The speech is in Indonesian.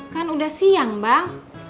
kan udah siang bang